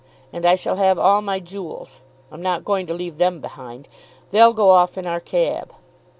And I shall have all my jewels. I'm not going to leave them behind. They'll go off in our cab.